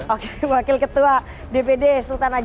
oke wakil ketua dpd sultan aja